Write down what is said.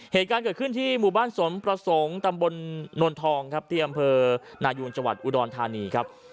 เหตุการณ์เกิดขึ้นที่หมู่บ้านสมประสงค์ตำบลนวลทองครับที่อำเภอนายูนจังหวัดอุดรธานีครับ